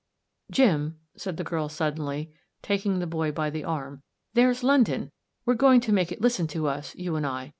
" Jim," said the girl suddenly, taking the boy by the arm, " there's London ! We're going to make it listen to us, you and I.